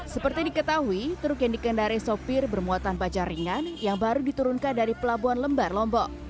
seperti diketahui truk yang dikendari sopir bermuatan baja ringan yang baru diturunkan dari pelabuhan lembar lombok